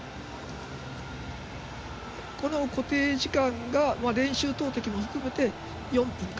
固定時間が練習投てきも含めて４分間。